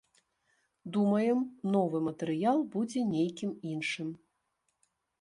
Думаем, новы матэрыял будзе нейкім іншым.